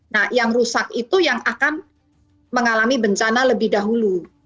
nah yang rusak itu yang akan mengalami bencana lebih dahulu